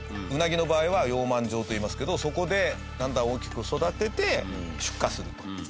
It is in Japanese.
ウナギの場合は養鰻場といいますけどそこでだんだん大きく育てて出荷すると。